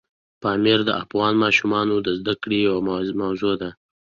پامیر د افغان ماشومانو د زده کړې یوه موضوع ده.